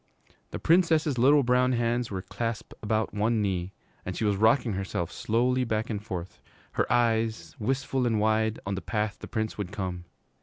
The Princess's little brown hands were clasped about one knee, and she was rocking herself slowly back and forth, her eyes, wistful and wide, on the path the Prince would come.